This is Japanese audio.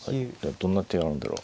どんな手があるんだろう。